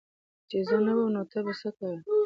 چي زه نه وم نو ته به څه کوي